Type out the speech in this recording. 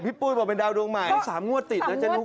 พี่ปุ้ยบอกเป็นดาวดวงใหม่สามงวดติดแล้วเจ๊นุ๊กอ่ะ